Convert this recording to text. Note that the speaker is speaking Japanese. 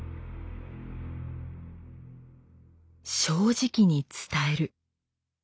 正直に伝える。